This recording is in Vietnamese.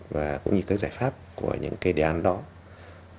và cũng như các giải pháp của những cái đề án đó